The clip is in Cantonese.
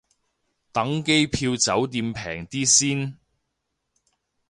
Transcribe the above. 等機票酒店平啲先